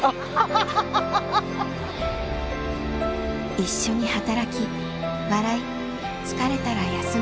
一緒に働き笑い疲れたら休む。